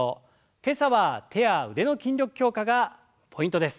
今朝は手や腕の筋力強化がポイントです。